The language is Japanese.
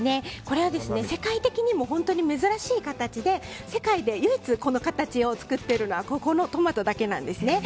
世界的にも本当に珍しい形で世界で唯一この形を作っているのはここのトマトだけなんですね。